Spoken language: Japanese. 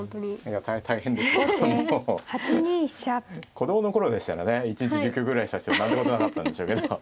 子供の頃でしたらね一日１０局ぐらい指しても何てことなかったんでしょうけど。